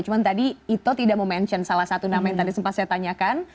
cuma tadi ito tidak memention salah satu nama yang tadi sempat saya tanyakan